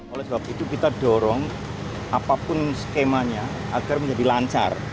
oleh sebab itu kita dorong apapun skemanya agar menjadi lancar